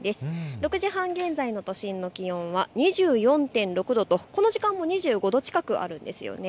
６時半現在の都心の気温は２４．６度とこの時間も２５度近くあるんです。